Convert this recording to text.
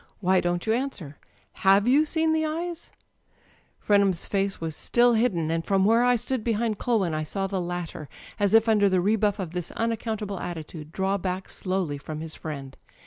Why don't you answer ? Have you seen the eyes ?" Frenham's face was still hidden, and from where I stood behind Culwin I saw the latter, as if under the rebuff of this unaccountable attitude, draw back slowly from his friend.